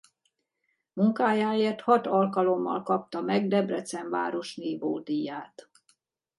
Munkájáért hat alkalommal kapta meg Debrecen város nívódíját.